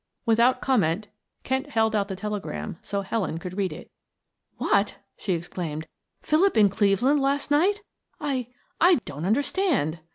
Without comment Kent held out the telegram so that Helen could read it. "What!" she exclaimed. "Philip in Cleveland last night. I I don't understand."